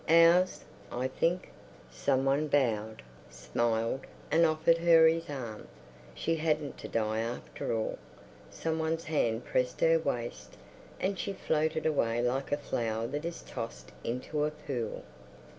"Ours, I think—" Some one bowed, smiled, and offered her his arm; she hadn't to die after all. Some one's hand pressed her waist, and she floated away like a flower that is tossed into a pool.